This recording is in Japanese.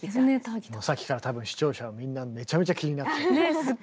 さっきから多分視聴者はみんなめちゃめちゃ気になってた。